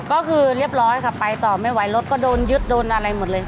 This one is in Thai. ก็คือเรียบร้อยค่ะไปต่อไม่ไหวรถก็โดนยึดโดนอะไรหมดเลย